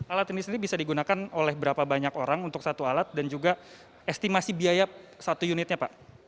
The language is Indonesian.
alat ini sendiri bisa digunakan oleh berapa banyak orang untuk satu alat dan juga estimasi biaya satu unitnya pak